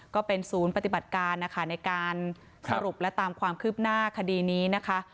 ก็เป็นศูนย์ปฏิบัติการนะคะในการสรุปและตามความคืบหน้าคดีนี้นะคะ